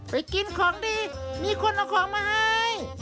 ไปกินของดีมีคนเอาของมาให้